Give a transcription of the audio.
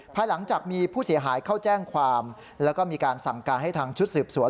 ภายหลังจากมีผู้เสียหายเข้าแจ้งความแล้วก็มีการสั่งการให้ทางชุดสืบสวน